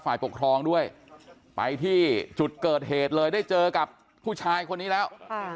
ฝ่ายปกครองด้วยไปที่จุดเกิดเหตุเลยได้เจอกับผู้ชายคนนี้แล้ว